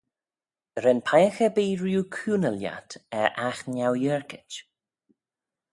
Ren peiagh erbee rieau cooney lhiat er aght neuyerkit?